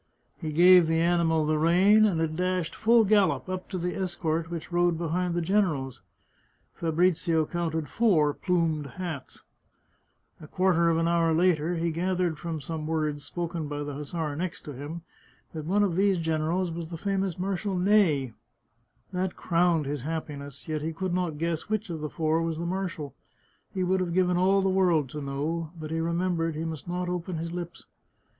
He gave the animal the rein, and it dashed, full gallop, up to the escort which rode behind the generals. Fabrizio counted four plumed hats. A quarter of an hour later he gathered from some words spoken by the hussar next him that one of these generals was the famous Marshal Ney. That crowned his happiness ; yet he could not guess which of the four was the marshal. He would have given all the world to know, but he remem bered he must not open his lips.